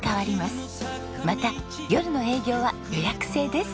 また夜の営業は予約制です。